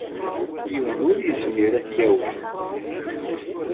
Yiwen ur yezmir ad t-yawi.